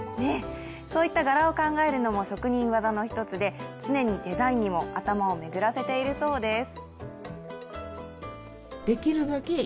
こういった柄を考えるのも職人技の一つで常にデザインにも頭を巡らせているそうです。